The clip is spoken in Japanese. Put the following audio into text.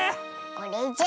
これじゃ。